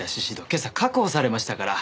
今朝確保されましたから。